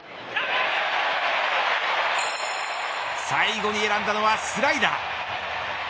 最後に選んだのはスライダー。